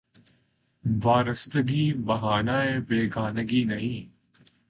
وارستگی بہانۂ بیگانگی نہیں